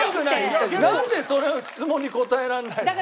なんでそれは質問に答えられないの？